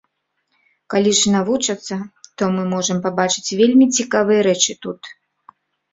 Калі ж навучацца, то мы можам пабачыць вельмі цікавыя рэчы тут.